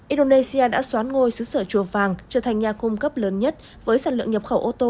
indonesia đã xoán ngôi xứ sở chùa vàng trở thành nhà cung cấp lớn nhất với sản lượng nhập khẩu ô tô